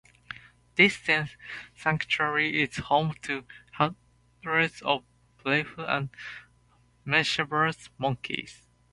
This dense sanctuary is home to hundreds of playful and mischievous monkeys.